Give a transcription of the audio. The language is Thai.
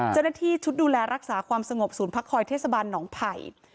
เจ้าหน้าที่ชุดดูแลรักษาความสงบศูนย์พักคอยเทศบาลหนองไผ่